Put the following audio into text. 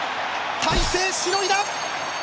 大勢しのいだ。